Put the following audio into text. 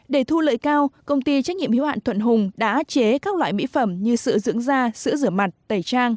để thu lợi cao công ty trách nhiệm hiếu hạn thuận hùng đã chế các loại mỹ phẩm như sữa dưỡng da sữa rửa mặt tẩy trang